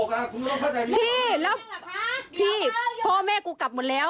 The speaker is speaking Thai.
คุณต้องเข้าใจดีกว่าพี่แล้วพี่พ่อแม่กูกลับหมดแล้ว